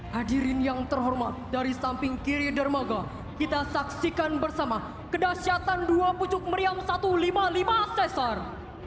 hadirin yang terhormat dari samping kiri dermaga kita saksikan bersama kedahsyatan dua pucuk meriam satu ratus lima puluh lima cesar